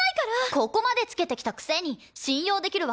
ここまでつけてきたくせに信用できるわけないでしょ！